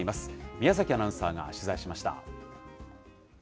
宮崎アナウンサーが取材しました。